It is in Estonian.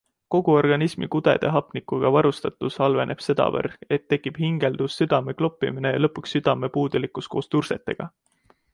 Kogu organismi kudede hapnikuga varustatus halveneb sedavõrd, et tekib hingeldus, südamekloppimine ja lõpuks südamepuudulikkus koos tursetega.